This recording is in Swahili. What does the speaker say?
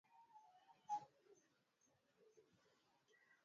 Ma ndizi, na ma avocat iko bei sana mu mvula